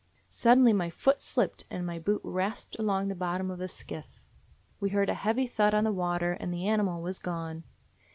Suddenly my foot slipped and my boot rasped along the bottom of the skiff. We heard a heavy thud on the water, and the ani mal was gone.